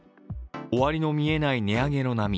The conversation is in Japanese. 終わりの見えない値上げの波。